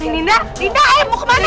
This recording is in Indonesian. lindah lindah ayo mau kemana